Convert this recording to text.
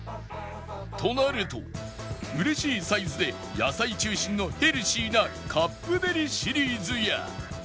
となると嬉しいサイズで野菜中心のヘルシーなカップデリシリーズや